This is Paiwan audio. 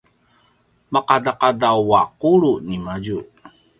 maqadaqadaw a qulu ni madju